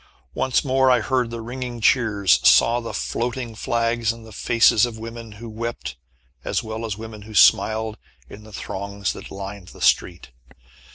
Once more I heard the ringing cheers, saw the floating flags, and the faces of women who wept as well as women who smiled in the throngs that lined the street.